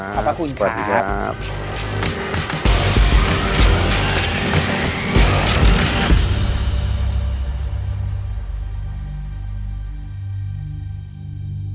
สวัสดีครับ